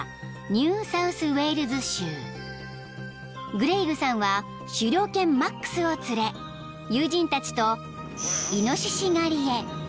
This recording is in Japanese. ［グレイグさんは狩猟犬マックスを連れ友人たちと］